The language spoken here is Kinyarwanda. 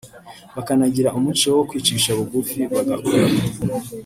bakanagira umuco wo kwicisha bugufi bagakora